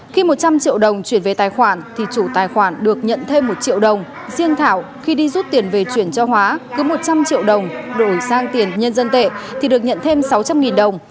khi một trăm linh triệu đồng chuyển về tài khoản thì chủ tài khoản được nhận thêm một triệu đồng riêng thảo khi đi rút tiền về chuyển cho hóa cứ một trăm linh triệu đồng đổi sang tiền nhân dân tệ thì được nhận thêm sáu trăm linh đồng